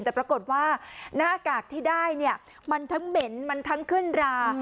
แต่ปรากฏว่าหน้ากากที่ได้เนี่ยมันทั้งเหม็นมันทั้งขึ้นรา